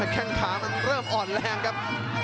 แข้งขามันเริ่มอ่อนแรงครับ